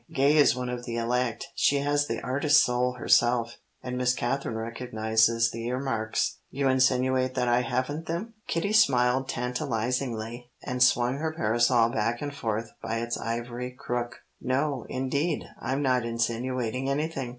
"Gay is one of the elect. She has the artist soul herself, and Miss Katherine recognizes the earmarks." "You insinuate that I haven't them?" Kitty smiled tantalizingly, and swung her parasol back and forth by its ivory crook. "No, indeed. I'm not insinuating anything.